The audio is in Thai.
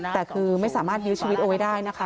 แต่คือไม่สามารถยื้อชีวิตเอาไว้ได้นะคะ